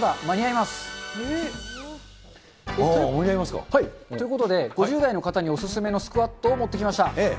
間に合いますか？ということで、５０代の方にお勧めのスクワットを持ってきました。